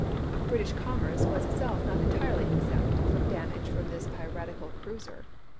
British commerce was itself not entirely exempt from damage from this piratical cruiser.